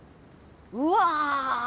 うわ。